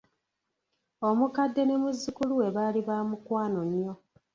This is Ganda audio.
Omukadde ne muzzukulu we baali baamukwano nnyo.